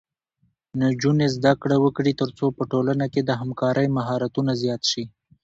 نجونې زده کړه وکړي ترڅو په ټولنه کې د همکارۍ مهارتونه زیات شي.